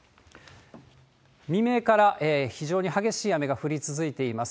未明から非常に激しい雨が降り続いています。